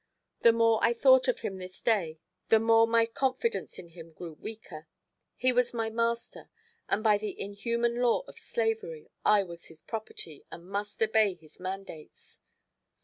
The more I thought of him this day the more my confidence in him grew weaker. He was my master, and by the inhuman law of slavery I was his property and must obey his mandates.